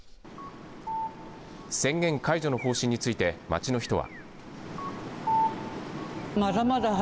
宣言解除の方針について街の人は。